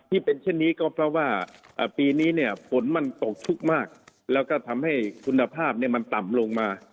ที่เป็นเช่นนี้ก็เพราะว่าปีนี้เนี่ยฝนมันตกชุกมากแล้วก็ทำให้คุณภาพมันต่ำลงมา